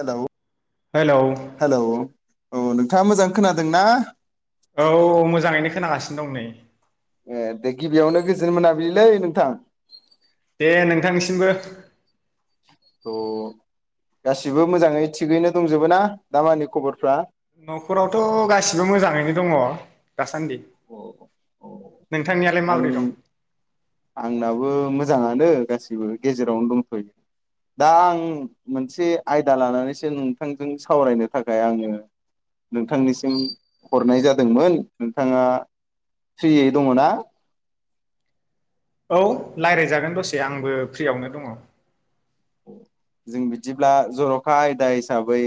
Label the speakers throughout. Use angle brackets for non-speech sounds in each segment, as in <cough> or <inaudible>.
Speaker 1: Hello
Speaker 2: hello
Speaker 1: hello औ नोंथाङा मोजां खोनादोंना
Speaker 2: औ औ मोजाङैनो खोनागासिनो दं नै।
Speaker 1: ए दे गिबियावनो गोजोन मोनाबिलिलै नोंथां।
Speaker 2: दे नोंथांनिसिमबो।
Speaker 1: थ' गासिबो मोजाङै थिगैनो दंजोबो ना दामानि खबरफ्रा।
Speaker 2: न'खरावथ' गासिबो मोजाङैनो दङ। दासान्दि
Speaker 1: अ अ
Speaker 2: नोंथांनियालाय
Speaker 1: आं
Speaker 2: माबोरै दं।
Speaker 1: आंनाबो मोजाङानो गासैबो गेजेरावनो दंथयो दा आं मोनसे आयदा लानानैसो नोंथांजों सावरायनो थाखाय आङो नोंथांनिसिम हरनाय जादोंमोन नोंथाङा फ्रियै दङना।
Speaker 2: औ लायरायजागोन दसे आंबो फ्रियावनो दङ
Speaker 1: जों बिदिब्ला जरखा आयदा हिसाबै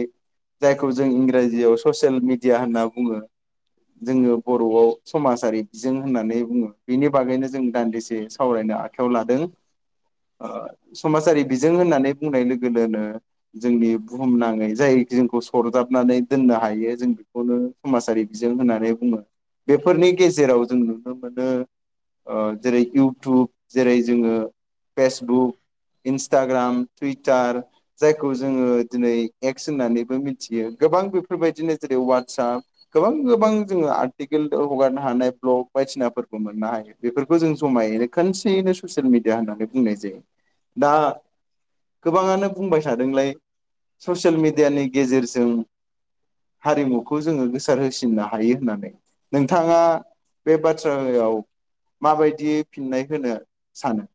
Speaker 1: जायखौ जों इंराजियाव ससियेल मिडिया होनना बुङो जोङो बर'आव समाजारि बिजों होननानै बुङो बेनि बागैनो जों दान्दिसे सावरायनो आखायाव लादों ओ समाजारि बिजों होननानै बुंनाय लोगो लोगोनो जोंनि बुहुमनाङै जाय जोंखौ सरजाबनानै दोननो हायो जों बेखौनो समाजारि बिजों होननानै बुङो बेफोरनि गेजेराव जों नुनो मोनो जेरै इउटुब जेरै जोङो फेसबुक इन्स टाग्राम टुइटार जायखौ जोङो दिनै एक्स होननानैबो मिथियो गोबां बेफोरबायदिनो जेरै वाटसाप गोबां गोबां जोङो आर्टिकेल हगारनो हानाय भ्लग बायदिसिनाफोरखौ मोननो हायो बेफोरखौ जों जमायैनो खोनसेयैनो ससियेल मिडिया होननानै बुंनाय जायो दा गोबाङानो बुंबाय थादोंलाय ससियेल मेडियानि गेजेरजों हारिमुखौ जोङो गोसार होसिननो हायो होननानै नोंथाङा बे बाथ्रायाव माबायदियै फिननाय होनो सानो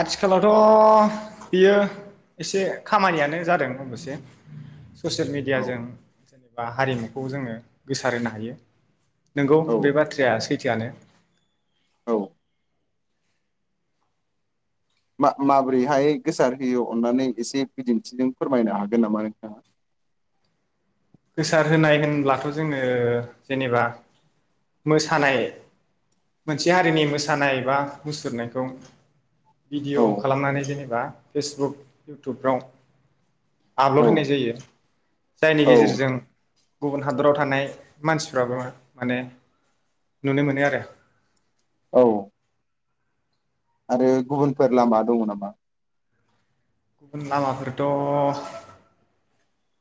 Speaker 2: आथिखालावथ बियो एसे खामानियानो जादों अबसे ससेल
Speaker 1: औ
Speaker 2: मेडियाजों बा हारिमुखौ जोङो गोसार होनो हायो नंगौ
Speaker 1: औ
Speaker 2: बे बाथ्राया सै थोआनो
Speaker 1: औ मा माबोरैहाय गोसार होयो अननानै एसे बिदिन्थिजों फोरमायनो हागोन नामा नोंथाङा
Speaker 2: गोसार होनाय होनब्लाथ जोङो जेनेबा मोसानाय मोनसे हारिनि मोसानाय बा मुसुरनायखौ
Speaker 1: औ
Speaker 2: भिडिअ खालामनानै जेने बा फेसबुक इउटुबफ्राव
Speaker 1: औ
Speaker 2: आपलड होनाय जायो जायनि
Speaker 1: औ
Speaker 2: गेजेरजों गुबुन हादराव थानाय मानसिफ्राबो माने नुनो मोनो आरो
Speaker 1: औ आरो गुबुनफोर लामा दङ नामा
Speaker 2: गुबुन लामाफोरथ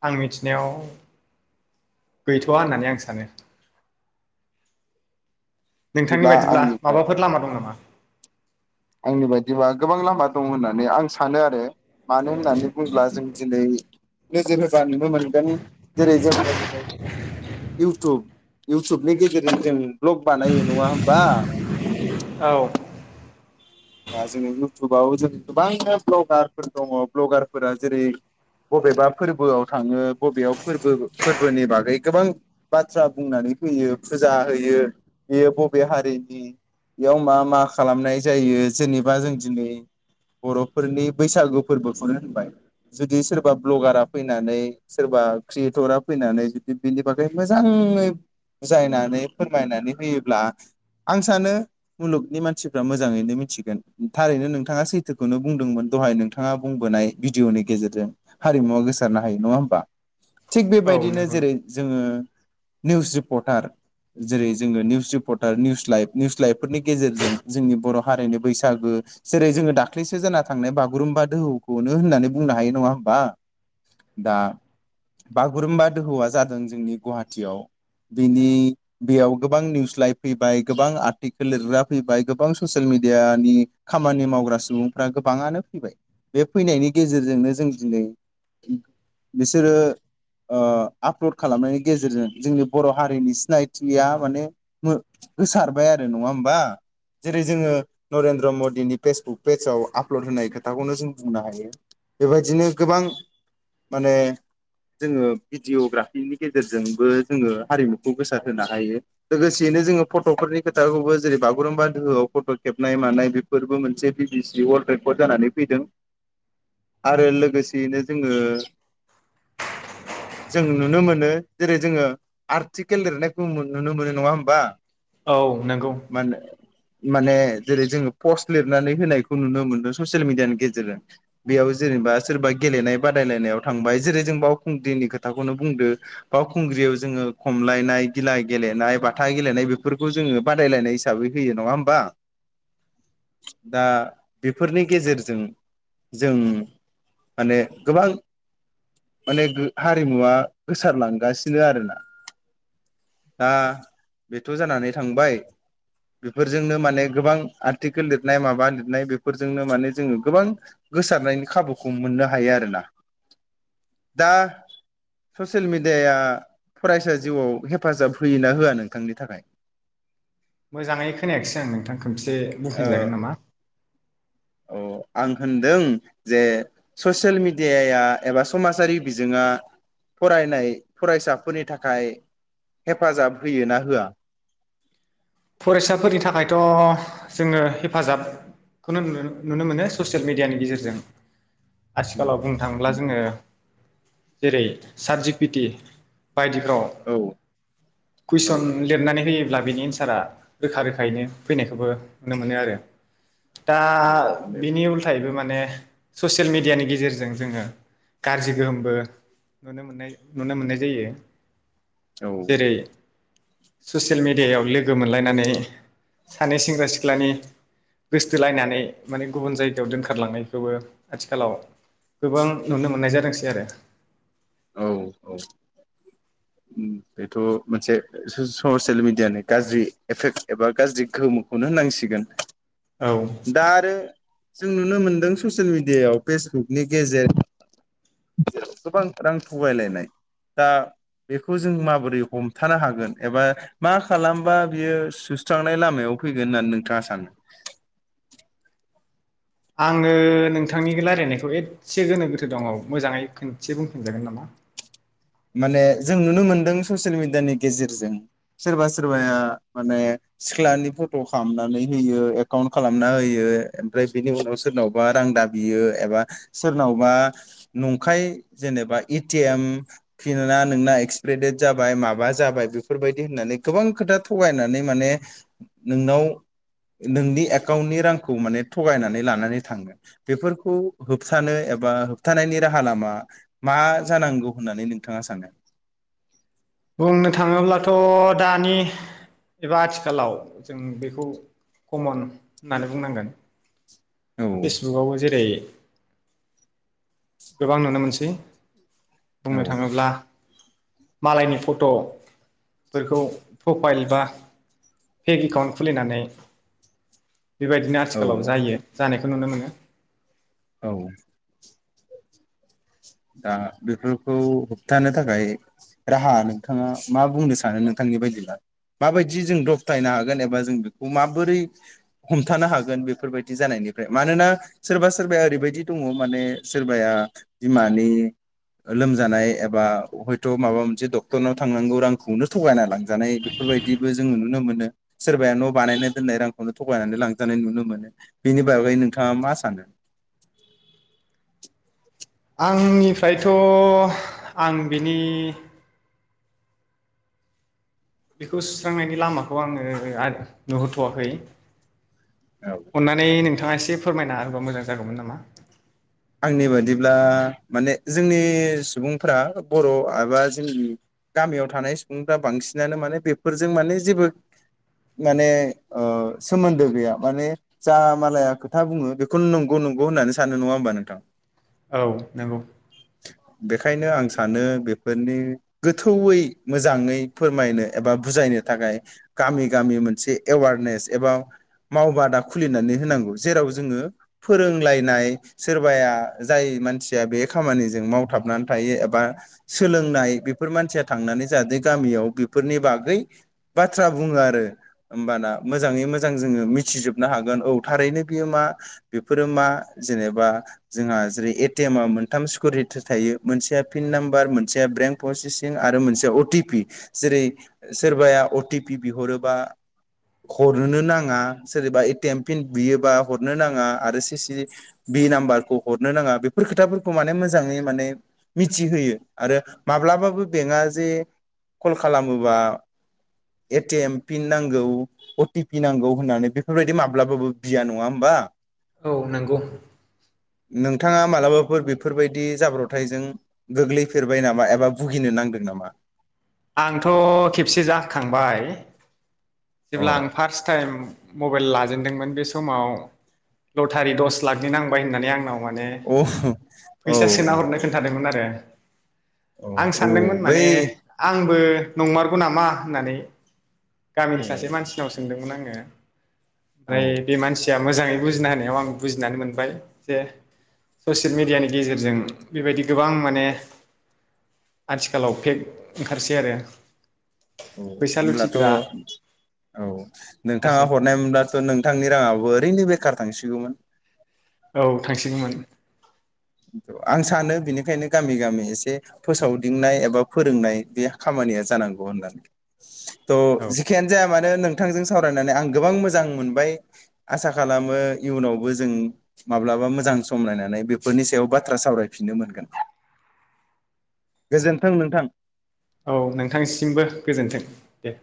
Speaker 2: आं मिथिनायाव गैथवा होननानै आं सानो नोंथांनि
Speaker 1: बिदिब्ला
Speaker 2: बायदिब्ला
Speaker 1: आंनिफ्राय
Speaker 2: माबाफोर लामा दं नामा
Speaker 1: आंनि बायदिबा गोबां लामा दं होननानै आं सानो आरो मानो होननानै बुङोब्ला जों दिनै नोजोर होबा नुनो मोनगोन जेरै जोङो दिनै इउटुब इउटुबनि गेजेरजों जों भ्लग बानायो नङा होमबा
Speaker 2: औ
Speaker 1: ओ जोङो इउटुबाव जों गोबां भ्लगारफोर दङ भ्लगारफोरा जेरै बबेबा फोरबोआव थाङो बबेयाव फोरबो फोरबोनि बागै गोबां बाथ्रा बुंनानै फैयो फुजा होयो बेयो बबे हारिनि बेयाव मा मा खालामनाय जायो जेनेबा जों दिनै बरफोरनि बैसागु फोरबोखौनो होनबाय जुदि सोरबा भ्लगारा फैनानै सोरबा क्रियेटरा फैनानै जुदि बेनि बागै मोजाङै बुजायनानै फोरमायनानै होयोब्ला आं सानो मुलुगनि मानसिफ्रा मोजाङैनो मिथि गोन थारैनो नोंथाङा सैथोखौनो बुंदोंमोन दहाय नोंथाङा बुंबोनाय भिडिअनि गेजेरजों हारिमुवा गोसारनो हायो नङा होमबा थिग बेबायदिनो
Speaker 2: नंगौ
Speaker 1: जेरै
Speaker 2: नंगौ
Speaker 1: जोङो निउस रिपर्टार जेरै जोङो news reporter news live news लाइभफोरनि गेजेरजों जोंनि बर हारिनि बैसा गो जेरै जोङो दाख्लैसो जाना थांनाय बागुरुम्बा दोहौखौनो होननानै बुंनो हायो नङा होमबा दा बागुरुम्बा दोहौआ जादों जोंनि गहाटियाव बिनि बेयाव गोबां निउस लाइभ फैबाय गोबां आर्टिकेल लिरग्रा फैबाय गोबां ससियेल मिडिया नि खामानि मावग्रा सुबुंफ्रा गोबाङानो फैबाय बे फैनायनि गेजेरजोंनो जों दिनै बिसोरो ओ आपलड खालामनायनि गेजेरजों जोंनि बर हारिनि सिनायथिया माने गोसारबाय आरो नङा होमबा जेरै जोङो नरेन्द्र मदिनि फेसबुक पेजाव आपलड होनाय खोथाखौनो जों बुंनो हायो बेबायदिनो गोबां माने जोङो भिडियग्राफिनि गेजेरजोंबो जोङो हारिमुखौ गोसार होनो हायो लोगोसेयैनो जोङो फटफोरनि खोथाखौबो जेरै बागुरुम्बा दोहौआव फट खेब नाय मानाय बेफोरबो मोनसे बि बि सि वर्लड रेकर्ड जानानै फैदों आरो लोगोसेयैनो जोङो जों नुनोनो मोनो जेरै जोङो आर्टिकेल लिरनायखौ नुनो मोनो नङा होमबा
Speaker 2: औ नोंगौ
Speaker 1: मानो माने जेरै जोङो पस्ट लिरनानै होनायखौ नुनो मोन्दों ससियेल मेडियानि गेजेरजों बेयाव जेनेबा सोरबा गेलेनाय बादायलायनायाव थांबाय जेरै जों बावखुंग्रिनि खोथाखौनो बुंदो बावखुंग्रियाव जोङो खमलायनाय गिला गेलेनाय बाथा गेलेनाय बेफोरखौ जोङो बादायलायनाय हिसाबै होयो नङा ओमबा दा बेफोरनि गेजेरजों जों माने गोबां माने गो हारिमुवा गोसारलांगासिनो आरोना दा बेथ जानानै थांबाय बेफोरजोंनो माने गोबां आर्टिकेल लिरनाय माबा लिरनाय बेफोरजोंनो माने जोङो गोबां गोसारनायनि खाबुखौ मोननो हायो आरोना दा ससियेल मेडियाया फरायसा जिउआव हेफाजाब होयो ना होआ नोंथांनि थाखाय
Speaker 2: मोजाङै खोनायाखिसै <unintelligible> नोंथां खोनसे बुफिन जागोन नामा?
Speaker 1: अ आं होनदों जे ससियेल मेडियाया एबा समाजारि बिजोङा फरायनाय फरायसाफोरनि थाखाय हेफाजाब होयो ना होआ?
Speaker 2: फरायसाफोरनि थाखायथ' जोङो हेफाजाबखौनो नु नुनो मोनो ससियेल मिडियानि गेजेरजों आथिखालाव बुंनो थाङोब्ला जोङो जेरै साद जि पिटि बायदिफ्राव
Speaker 1: औ औ
Speaker 2: कुइसन लिरनानै होयोब्ला बिनि एन्सारा रोखा रोखायैनो फैनायखौबो नुनो मोनो आरो दा
Speaker 1: औ माने
Speaker 2: बिनि उल्थायबो माने ससियेल मिडियानि गेजेरजों जोङो गाज्रि गोहोमबो नुनो मोननाय नुनो मोननाय जायो।
Speaker 1: औ
Speaker 2: जेरै ससियेल मिडियाव लोगो मोन लायनानै सानै सेंग्रा सिख्लानि गोसथोलायनानै माने गुबुन जायगायाव दोनखारलांनायखौबो आथिखालाव गोबां नुनो मोननाय जादोंसै आरो
Speaker 1: औ औ बेथ' मोनसे स-ससियेल मिडियानि गाज्रि एफेक्ट एबा गाज्रि गोहोमखौनो होननांसिगोन।
Speaker 2: औ
Speaker 1: दा आरो जों नुनो मोनदों ससियेल मिडियाायाव फेसबुकनि गेजेर जों गोबां रां थगायलायनाय दा बेखौ जों माबोरै हमथानो हागोन एबा मा खालामबा बियो सुस्रांनाय लामायाव फैगोन होननानै नोंथाङा सानो?
Speaker 2: आङो नोंथांनि रायजलायनायखौ एसे गोनो गोथो दङ मोजाङै खोनसे बुंफिनजागोन नामा?
Speaker 1: माने जों नुनो मोनदों ससियेल मिेडियानि गेजेरजों सोरबा सोरबाया माने सिख्लानि फट' खालामनानै होयो एकाउन्ट खालामना होयो ओमफ्राय बेनि उनाव सोरनावबा रां दाबियो एबा सोरनावबा नंखाय जेनेबा ए टि एम फिना नोंना एक्सप्रे देट जाबाय माबा जाबाय बेफोरबायदि होननानै गोबां खोथा थगायनानै माने नोंनाव नोंनि एकाउन्टनि रांखौ माने थगायनानै लानानै थांगोन बेफोरखौ होबथानो एबा होबथानायनि राहा लामा मा जानांगौ होननानै नों नोंथाङा सानो?
Speaker 2: बुंनो थाङोब्लाथ' दानि एबा आथिखालाव जों बेखौ कमन होननानै बुंनांगोन।
Speaker 1: औ
Speaker 2: फेसबुकआव जेरै <inaudible> गोबां नुनो मोनसै बुंनो
Speaker 1: औ
Speaker 2: थाङोब्ला मालायनि फट' फोरखौ प्रफाइल बा पेक एकाउन्ट खुलिनानै बेबायदिनो
Speaker 1: औ
Speaker 2: आथिखालाव जायो जानाय खो नुनो मोनो
Speaker 1: औ दा बेफोरखौ होबथानो थाखाय राहा नोंथाङा मा बुंनो सानो नोंथांनि बायदिब्ला माबायदि जों दबथायनो हागोन एबा जों बेखौ माबोरै हमथानो हागोन बेफोरबायदि जानायनिफ्राय मानोना सोरबा सोरबाया ओरैबायदि दङ माने सोरबाया बिमानि लोमजानाय एबा हयथ' माबा मोनसे डक्टरनाव थांनांगौ रांखौनो थगायना लांजानाय बेफोरबायदिबो जोङो नुनो मोनो सोरबाया न' बानायनो दोननाय रांखौनो थगायनानै लांजानाय नुनो मोनो बेनि बागै नोंथाङा मा सानो?
Speaker 2: आंनिफ्रायथ' आं बिनि बेखौ सुस्रांनायनि लामाखौ आङो <unintelligible> नुहरथ'वाखै
Speaker 1: औ
Speaker 2: अननानै नों थाङा एसे फोरमायना होबा मोजां जागौमोन नामा?
Speaker 1: आंनि बादिब्ला माने जोंनि सुबुंफ्रा बर' आबा जोंनि गामियाव थानाय सुबुंफ्रा बांसिनानो माने बेफोरजों माने जेबो माने ओ सोमोन्दो गैया माने जा मालाया खोथा बुङो बेखौ नंगौ नंगौ होननानै सानो नङा होनोमबा नों <unintelligible>
Speaker 2: औ नोंगौ
Speaker 1: बेखायनो आं सानो बेफोरनि गोथौयै मोजाङै फोरमायनो एबा बुजायनो थाखाय गामि गामि मोनसे एवारनेस एबा मावबादा खुलिनानै होनांगौ जेराव जोङो फोरोंलायनाय सोरबाया जाय मानसिया बे खामानिजों मावथाबनानै थायो एबा सोलोंनाय बेफोर मानसिया थांनानै जाहाथे गामियाव बेफोरनि बागै बाथ्रा बुङो आरो होमबाना मोजाङै मोजां जोङो मिथिजोबनो हागोन औ थारैनो बेयो मा बेफोरो मा जेनेबा जोंहा जेरै एटिएम आ मोनथाम स्किरिटि थायो मोनसेया पिन नाम्बार मोनसेया बेंक प्रसेसिं आरो मोनसेया अटि पि जेरै सोरबाया अटि पि बिहरोबा हरनो नाङा सोरबा एटिएम पिन बियोबा हरनो नाङा आरो सिसि बि नाम्बार। खौ हरनो नाङा बेफोर खोथाफोरखौ माने मोजाङै माने मिथि होयो आरो माब्लाबाबो बेंकआ जे कल खालामोबा एटिएम पिन नांगौ अटि पि नांगौ होननानै बेफोरबायदि माब्लाबाबो बिया नङा होमबा।
Speaker 2: औ नंगौ।
Speaker 1: नोंथाङा मालाबाफोर बेफोरबायदि जाब्रबथायजों गोग्लैफेरबाय नामा एबा भुगिनो नांदों नामा?
Speaker 2: आंथ' खेबसे जाखांबाय।
Speaker 1: अ
Speaker 2: जेब्ला आं फार्स्ट टाइम। मबाइल लाजेनदोंमोन बे समाव लटारि दस लाखनि नांबाय होननानै आंनाव माने
Speaker 1: औ औ
Speaker 2: फैसा सोना हरनो
Speaker 1: औ
Speaker 2: खोन्थादोंमोन आरो।
Speaker 1: औ
Speaker 2: आं
Speaker 1: औ
Speaker 2: सानदोंमोन
Speaker 1: बै
Speaker 2: माने आंबो। नंमारगौ नामा होननानै।
Speaker 1: औ
Speaker 2: गामिनि सासे मानसिनाव सोंदोंमोन आङो।
Speaker 1: औ
Speaker 2: ओमफ्राय बे मानसिया मोजाङै बुजिना होनायाव आं बुजिनानै मोनबाय जे ससियेल मिेडियानि गेजेरजों बेबायदि गोबां माने आथिखालाव फेक ओंखारसै आरो।
Speaker 1: औ
Speaker 2: फैसा
Speaker 1: ओमब्लाथ औ
Speaker 2: लुथिग्रा
Speaker 1: औ नोंथाङा
Speaker 2: ओंखारसै
Speaker 1: हरनाय मोनब्लाथ' नोंथांनि राङाबो ओरैनो बेखार। थांसिगौमोन।
Speaker 2: औ थांसिगौमोन।
Speaker 1: आं सानो बेनिखायनो गामि गामि एसे फोसावदिंनाय एबा फोरोंनाय बे खामानिया जानांगौ होननानै। थ'
Speaker 2: औ
Speaker 1: जेखाययानो जाया मानो नों। बिथांजों सावरायनानै आं गोबां मोजां मोनबाय आसा खालामो इयुनावबो जों माब्लाबा मोजां समलायनानै बे बेफोरनि सायाव बाथ्रा सावरायफिननो मोनगोन गोजोन्थों नोंथां।
Speaker 2: औ नोंथांसिमबो गोजोन्थों दे